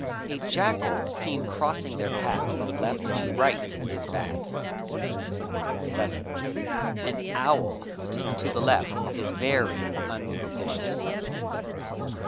A jackal seen crossing their path from left to right is bad. 7. An owl hooting to the left is very unpropitious.